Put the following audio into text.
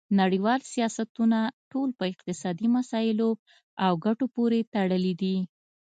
نړیوال سیاستونه ټول په اقتصادي مسایلو او ګټو پورې تړلي دي